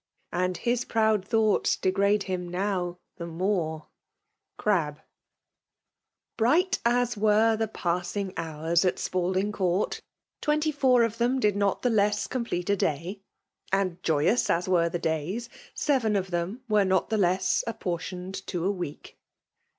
And his proud thougbts degrade him now the more* Bright as were the passing hours at Spalding Court, twenty four of them did not the less complete a day ; and joyous as were the days« seven of them were not the less apportioned to a week.